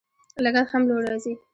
لګښت هم لوړ راځي.